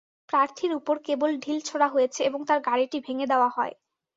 প্রার্থীর ওপর কেবল ঢিল ছোড়া হয়েছে এবং তাঁর গাড়িটি ভেঙে দেওয়া হয়।